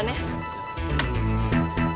terima kasih alex